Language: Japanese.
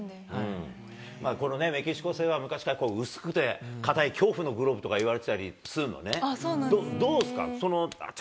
このメキシコ製は、昔から薄くて硬い恐怖のグローブとかいわれてたりするのね。